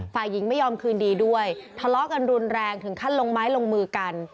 ฝ่ายหญิงไม่ยอมคืนดีด้วยทะเลาะกันรุนแรงถึงขั้นลงไม้ลงมือกัน